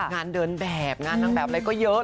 งานเดินแบบงานนางแบบอะไรก็เยอะ